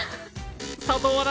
佐藤アナ